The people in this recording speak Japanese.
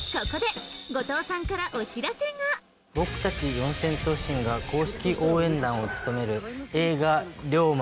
僕たち四千頭身が公式応援団を務める映画『リョーマ！